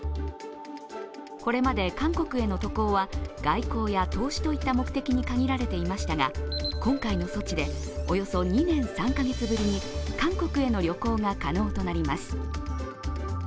これまで、韓国への渡航は外交や投資といった目的に限られていましたが今回の措置で、およそ２年３カ月ぶりに韓国への旅行が可能となります。